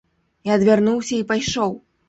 Я адвярнуўся і пайшоў.